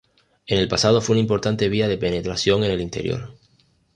En el pasado fue una importante vía de penetración en el interior.